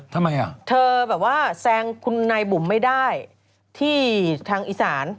ทำไมอ่ะเธอแบบว่าแซงคุณนายบุ๋มไม่ได้ที่ทางอีสาน